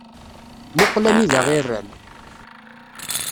Muqel anida i rran.